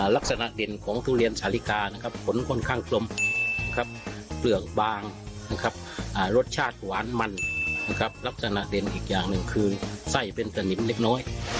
ลักษณะเด่นของทุเรียนสาลิกานะครับผลค่อนข้างกลมเปลือกบางนะครับรสชาติหวานมันนะครับลักษณะเด่นอีกอย่างหนึ่งคือไส้เป็นสนิมเล็กน้อย